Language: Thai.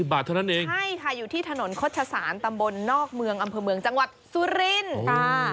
บาทเท่านั้นเองใช่ค่ะอยู่ที่ถนนโฆษศาลตำบลนอกเมืองอำเภอเมืองจังหวัดสุรินทร์ค่ะ